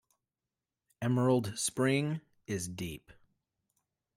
Emerald Spring is deep.